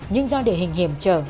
nhưng do địa hình hiểm trở